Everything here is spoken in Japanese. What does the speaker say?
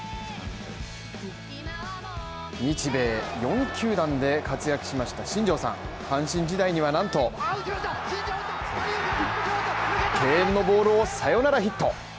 日米４球団で活躍しました新庄さん、阪神時代にはなんと敬遠のボールをサヨナラヒット。